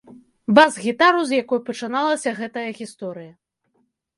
Бас-гітару, з якой пачыналася гэтая гісторыя.